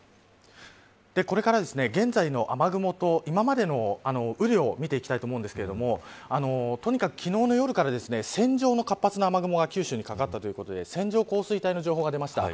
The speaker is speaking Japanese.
これから、現在の雨雲と今までの雨量を見ていきたいと思うんですけれどもとにかく昨日の夜から線状の活発な雨雲が九州にかかったということで線状降水帯の情報が出ました。